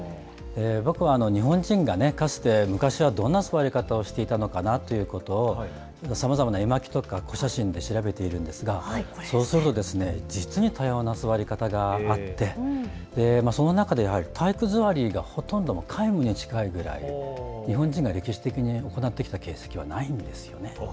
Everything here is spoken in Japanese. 僕は日本人がかつて昔はどんな座り方をしていたのかなということをさまざまな絵巻とか古写真で調べているのですが、そうすると実に多様な座り方があってその中で体育座りがほとんど皆無に近いぐらい日本人の歴史的に行ってきた形跡はないんです。